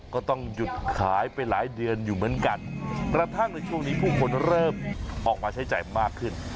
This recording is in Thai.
ก็ต้องหยุดขายไปหลายเดือนอยู่เหมือนกันกระทั่งในช่วงนี้ผู้คนเริ่มออกมาใช้จ่ายมากขึ้น